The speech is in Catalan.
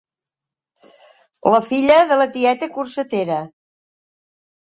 La filla de la tieta corsetera.